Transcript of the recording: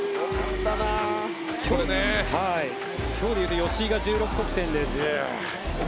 今日入れて吉井が１６得点です。